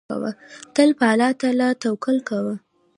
تل پر الله تعالی توکل کوه.